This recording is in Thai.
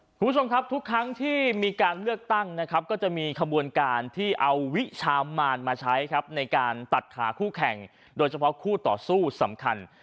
คุณผู้ชมครับทุกครั้งที่มีการเลือกตั้งนะครับก็จะมีขบวนการที่เอาวิชามานมาใช้ครับในการตัดขาคู่แข่งโดยเฉพาะคู่ต่อสู้สำคัญ